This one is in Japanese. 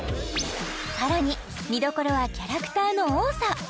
さらに見どころはキャラクターの多さ！